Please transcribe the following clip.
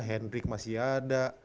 hendrik masih ada